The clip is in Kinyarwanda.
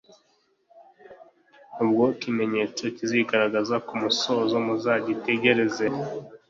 ubwo ikimenyetso kizigaragaza ku musozi, muzacyitegereze !